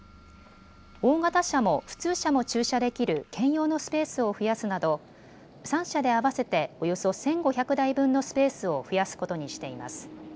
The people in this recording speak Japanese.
大型車も普通車も駐車できる兼用のスペースを増やすなど３社で合わせておよそ１５００台分のスペースを増やすことにしています。